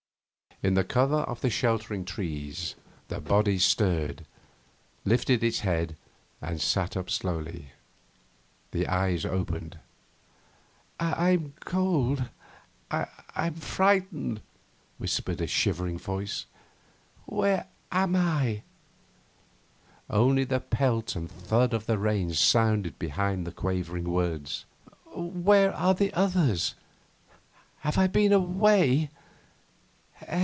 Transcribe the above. In the cover of the sheltering trees the body stirred, lifted its head, and sat up slowly. The eyes opened. 'I'm cold. I'm frightened,' whispered a shivering voice. 'Where am I?' Only the pelt and thud of the rain sounded behind the quavering words. 'Where are the others? Have I been away?